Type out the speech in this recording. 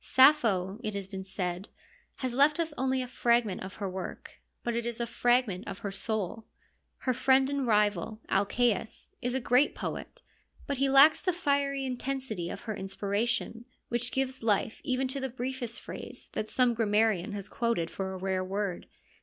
Sappho, it has been said, has left us only a fragment of her work, but it is a fragment of her soul. Her friend and rival, Alcaeus, is a great poet, but he lacks the fiery intensity of her inspiration, which gives life even to the briefest phrase that some grammarian has quoted for a rare word.